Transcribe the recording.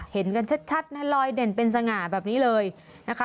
เห็นกันชัดนะลอยเด่นเป็นสง่าแบบนี้เลยนะคะ